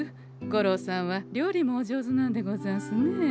五郎さんは料理もお上手なんでござんすね。